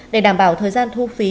để đảm bảo thời gian thu phí